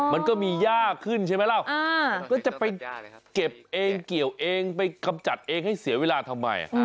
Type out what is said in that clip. มันก็มียากขึ้นใช่ไหมเราก็จะไปเก็บเองเกี่ยวเองไปกำจัดเองให้เสียเวลาทำไม